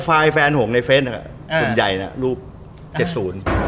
กลายเป็นเปลี่ยน